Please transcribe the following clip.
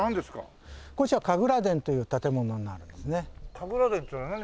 神楽殿っつうのは何？